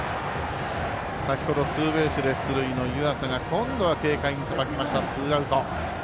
先ほど、ツーベースで出塁の湯浅が今度は軽快にさばきました。